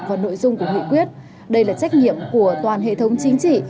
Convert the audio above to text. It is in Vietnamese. vào nội dung của nghị quyết đây là trách nhiệm của toàn hệ thống chính trị